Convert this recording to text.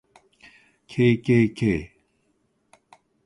kkk